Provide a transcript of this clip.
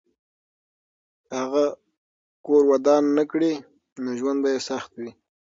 که هغه کور ودان نه کړي، نو ژوند به یې سخت وي.